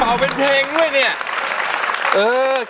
เป่าก็เป็นเพลงดอยเนี่ย